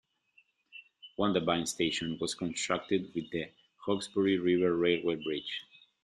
Wondabyne station was constructed with the Hawkesbury River Railway Bridge.